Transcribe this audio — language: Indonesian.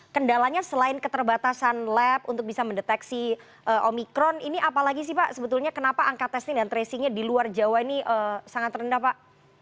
kendalanya selain keterbatasan lab untuk bisa mendeteksi omikron ini apalagi sih pak sebetulnya kenapa angka testing dan tracingnya di luar jawa ini sangat rendah pak